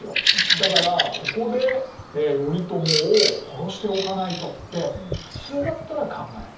だから「ここで頼朝を殺しておかないと」って普通だったら考える。